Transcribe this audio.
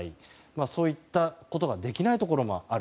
そういったことができないところもある。